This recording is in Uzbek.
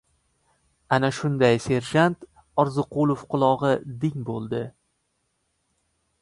Ana shunda serjant Orziqulov qulog‘i ding bo‘ldi.